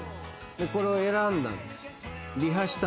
でこれを選んだんですよ。